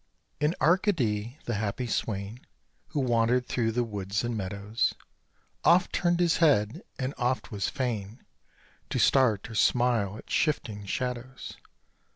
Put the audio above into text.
In Arcady, the happy swain, Who wandered through the woods and meadows, Oft turned his head and oft was fain To start or smile at shifting shadows.